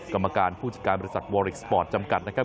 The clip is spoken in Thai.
กรรมการผู้จัดการบริษัทวอริกสปอร์ตจำกัดนะครับ